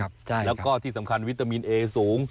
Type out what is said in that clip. ใช่แล้วก็ที่สำคัญวิตามินเอสูง